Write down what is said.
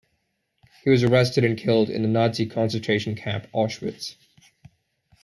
He was arrested and killed in the Nazi concentration camp Auschwitz.